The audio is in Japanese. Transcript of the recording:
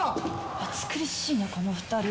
暑苦しいなこの２人。